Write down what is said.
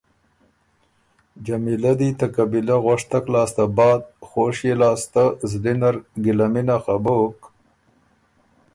جمیلۀ دی ته قبیلۀ غؤشتک لاسته بعد خوشيې لاسته زلی نر ګِلمُنه خه بُک